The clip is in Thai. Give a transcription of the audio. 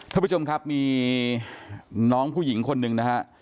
ท่านผู้ชมครับมีน้องผู้หญิงคนหนึ่งนะฮะ